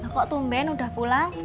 kok tumben udah pulang